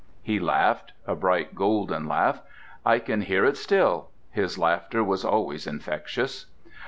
He laughed. A bright, golden laugh—I can hear it still. His laughter was always infectious.